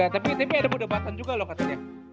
tapi ada pedebatan juga loh katanya